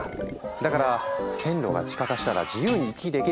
だから「線路が地下化したら自由に行き来できる！